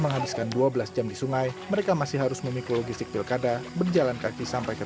menghabiskan dua belas jam di sungai mereka masih harus memikul logistik pilkada berjalan kaki sampai ke